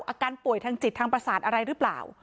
อาการป่วยทางจิตทางประสาทอะไรหรือเปล่า